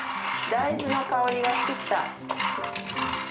大豆の香りがしてきた。